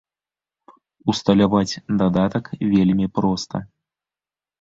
Усталяваць дадатак вельмі проста.